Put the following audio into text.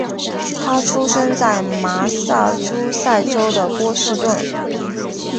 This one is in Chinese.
他出生在麻萨诸塞州的波士顿。